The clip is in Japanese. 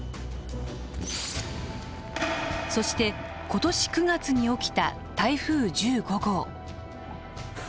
そして今年９月に起きた台風１５号。